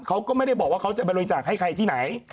เขาก็ไม่ได้บอกว่าเขาจะไปบริจาคให้ใครที่ไหน